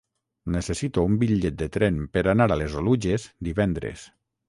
Necessito un bitllet de tren per anar a les Oluges divendres.